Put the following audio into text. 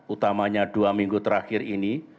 utamanya dua minggu terakhir ini